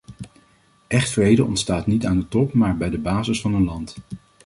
Echte vrede ontstaat niet aan de top maar bij de basis van een land.